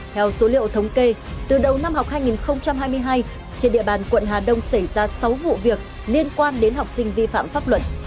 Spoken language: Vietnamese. theo số liệu thống kê từ đầu năm học hai nghìn hai mươi hai trên địa bàn quận hà đông xảy ra sáu vụ việc liên quan đến học sinh vi phạm pháp luật